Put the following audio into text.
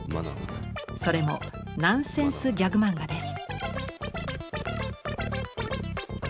それもナンセンスギャグマンガです。